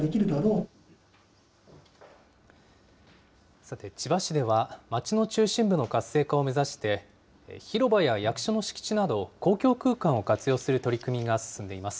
さて、千葉市では、街の中心部の活性化を目指して、広場や役所の敷地など、公共空間を活用する取り組みが進んでいます。